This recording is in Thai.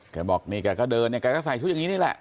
บอกนี่แกก็เดินเนี่ยแกก็ใส่ชุดอย่างนี้นี่แหละ